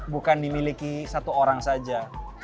bukan dimiliki satu orang saja